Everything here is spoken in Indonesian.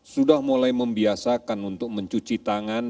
sudah mulai membiasakan untuk mencuci tangan